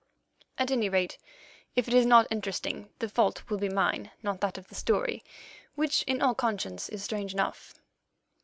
At any rate, if it is not interesting, the fault will be mine, not that of the story, which in all conscience is strange enough.